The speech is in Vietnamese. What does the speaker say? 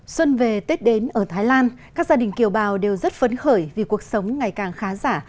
xuân về tết đến ở thái lan các gia đình kiều bào đều rất phấn khởi vì cuộc sống ngày càng khá giả